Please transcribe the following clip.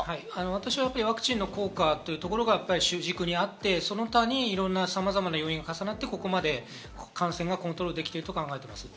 私はワクチンの効果が主軸にあって、その他にいろんな要因が重なって、ここまで感染がコントロールされていると考えます。